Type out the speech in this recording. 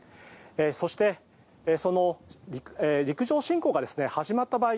そして、陸上侵攻が始まった場合